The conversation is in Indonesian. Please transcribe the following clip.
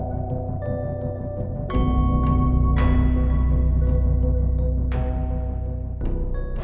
ini buat lo